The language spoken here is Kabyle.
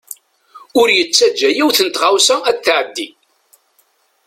Ur yettaǧa yiwet n tɣawsa ad t-tɛeddi.